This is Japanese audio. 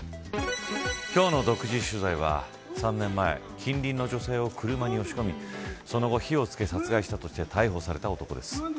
今日の独自取材は３年前、近隣の女性を車に押し込みその後、火をつけ殺害したとして逮捕された男です。